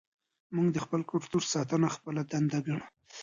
موږ د خپل کلتور ساتنه خپله دنده ګڼو.